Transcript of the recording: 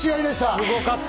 すごかった！